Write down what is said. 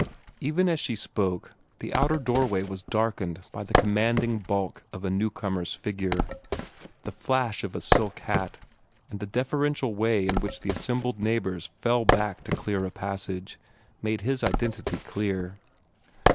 Even as she spoke, the outer doorway was darkened by the commanding bulk of a newcomer's figure. The flash of a silk hat, and the deferential way in which the assembled neighbors fell back to clear a passage, made his identity clear.